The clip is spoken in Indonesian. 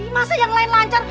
masa yang lain lancar